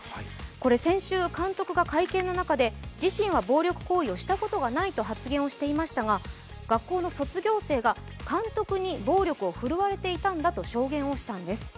先週、監督が会見の中で自身は暴力行為をしたことがないと発言していましたが学校の卒業生が、監督に暴力を振るわれていたんだと証言をしたんです。